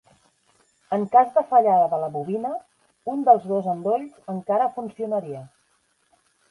En cas de fallada de la bobina, un dels dos endolls encara funcionaria.